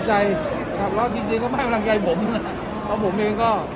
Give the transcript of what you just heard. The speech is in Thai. จักรถจริงจริงก็ไม่ให้อัลนี้ผมค่ะเพราะผมเองก็